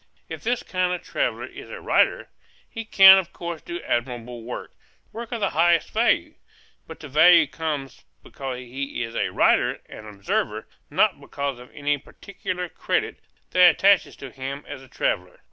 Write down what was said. If this kind of traveller is a writer, he can of course do admirable work, work of the highest value; but the value comes because he is a writer and observer, not because of any particular credit that attaches to him as a traveller.